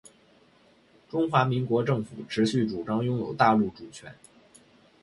中华民国政府持续主张拥有中国大陆主权